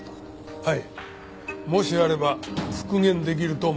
はい！